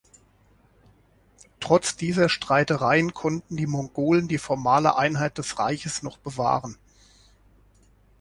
Trotz dieser Streitereien konnten die Mongolen die formale Einheit des Reiches noch bewahren.